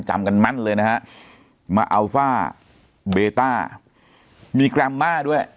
จำกันแม่นเลยนะฮะมาอัลฟ่าเบต้ามีแกรมม่าด้วย